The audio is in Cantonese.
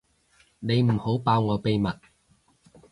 你唔好爆我秘密